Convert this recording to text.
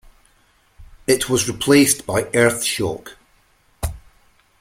It was replaced by "Earthshock".